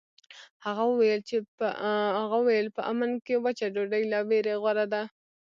هغه وویل په امن کې وچه ډوډۍ له ویرې غوره ده.